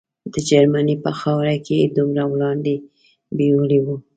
د جرمني په خاوره کې یې دومره وړاندې بیولي وو.